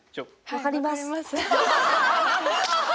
わかります。